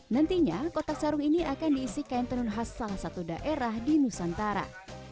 nantinya kotak sarung ini akan diisi kain tenun khas salah satu daerah di nusantara